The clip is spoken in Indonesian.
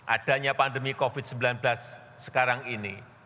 adanya pandemi covid sembilan belas sekarang ini